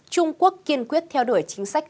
trung quốc kiên quyết theo đuổi chính sách